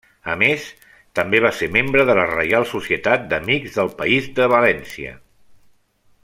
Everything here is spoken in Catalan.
A més, també va ser membre de la Reial Societat d'Amics del País de València.